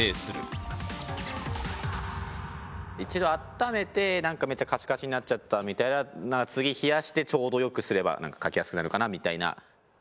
一度温めてめっちゃカチカチになっちゃったみたいななら次冷やしてちょうどよくすれば何か書きやすくなるかなみたいな。